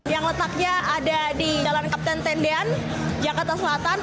yang letaknya ada di jalan kapten tendean jakarta selatan